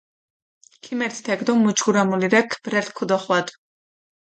ქიმერთჷ თექ დო მუჯგურა მულირეფქ ბრელქ ქჷდოხვადუ.